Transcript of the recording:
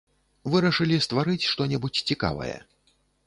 Вырашылі стварыць што-небудзь цікавае.